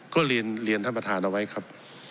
ก็เรียนท่านประธานเอาไว้ครับ